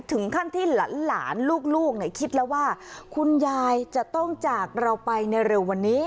ถึงขั้นที่หลานลูกคิดแล้วว่าคุณยายจะต้องจากเราไปในเร็ววันนี้